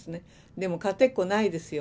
でも勝てっこないですよ。